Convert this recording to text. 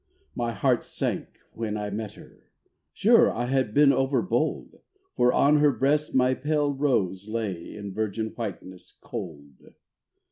My heart sank when I met her: sure I had been overbold, For on her breast my pale rose lay In virgin whiteness cold.